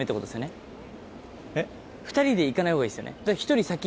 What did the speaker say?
２人で行かない方がいいですよね。